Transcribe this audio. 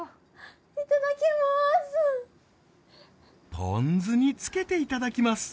ポン酢につけていただきます